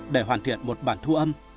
để hoàn thiện một bản thu âm